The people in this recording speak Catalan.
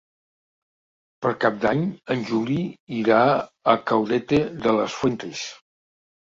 Per Cap d'Any en Juli irà a Caudete de las Fuentes.